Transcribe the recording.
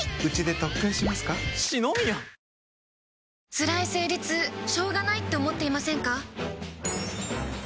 つらい生理痛しょうがないって思っていませんか？